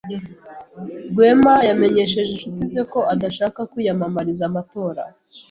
Rwema yamenyesheje inshuti ze ko adashaka kwiyamamariza amatora.